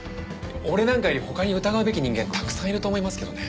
俺なんかより他に疑うべき人間たくさんいると思いますけどね。